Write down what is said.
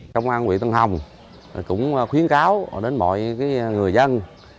công an quỹ tân hồng cũng khuyến cáo đến mọi người dân